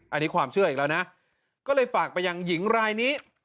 อันนี้ความเชื่ออีกแล้วนะก็เลยฝากไปยังหญิงรายนี้